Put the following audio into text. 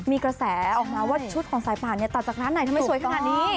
มีกระแสออกมาว่าชุดของสายป่านเนี่ยตัดจากร้านไหนทำไมสวยขนาดนี้